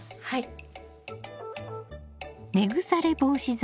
はい。